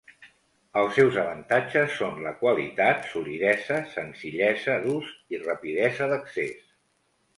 Els seus avantatges són la qualitat, solidesa, senzillesa d'ús i rapidesa d'accés.